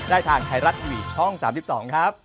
ได้ทางไทรัตวิชช่อง๓๒ครับ